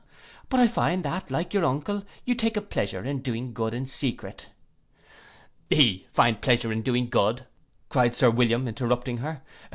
But I find that, like your uncle, you take a pleasure in doing good in secret.' 'He find pleasure in doing good!' cried Sir William, interrupting her.